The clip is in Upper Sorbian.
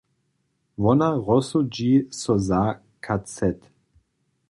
Wona rozsudźi so za kacet.